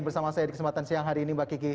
bersama saya di kesempatan siang hari ini mbak kiki